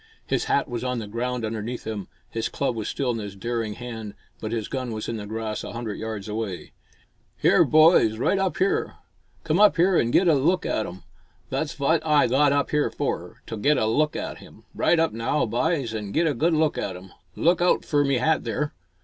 His hat was on the ground underneath him, his club was still in his daring hand, but his gun was in the grass a hundred yards away. "Here, boys, right up here. Come up here an' get a look at 'im! Thot's vaght Oi got up 'ere fur, to get a good look at 'im! Right up now, byes, an' get a good look at 'im! Look out fur me hat there!"